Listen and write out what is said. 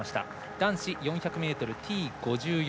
男子４００ｍＴ５４